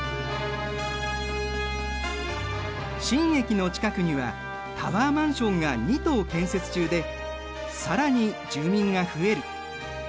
新駅の近くにはタワーマンションが２棟建設中で更に住民が増える。